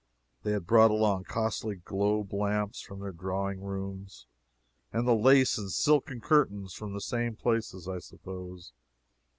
They had brought along the costly globe lamps from their drawing rooms, and the lace and silken curtains from the same places, I suppose.